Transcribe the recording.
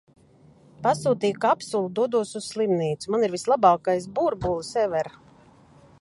Pasūtīju kapsulu, dodos uz slimnīcu. Man ir vislabākais burbulis ever!